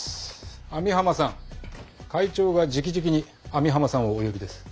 網浜さん会長がじきじきに網浜さんをお呼びです。